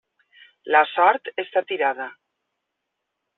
La sort està tirada.